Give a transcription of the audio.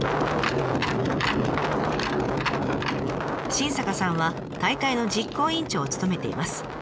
新坂さんは大会の実行委員長を務めています。